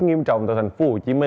nghiêm trọng tại tp hcm